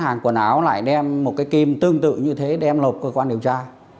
hàng quần áo lại đem một cái kim tương tự như thế đem lộp cơ quan điều tra